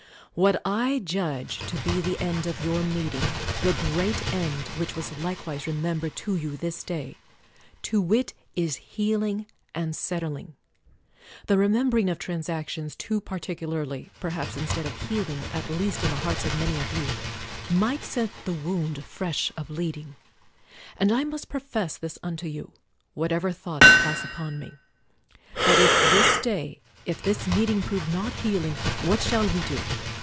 What I judge to be the end of your meeting, the great end, which was likewise remembered to you this day; to wit, is healing and settling. The remembering of transactions too particular ly, perhaps instead of healing — at least in the hearts of many of you — might set the wound fresh a bleeding. And I must profess this unto you, whatever thoughts pass upon me : That if this day, if this meeting, prove not healing, what shall we do?